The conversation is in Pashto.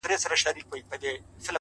• ړانده وګړي د دلبرو قدر څه پیژني,